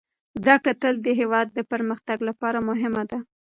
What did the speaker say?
زده کړه تل د هېواد د پرمختګ لپاره مهمه ده.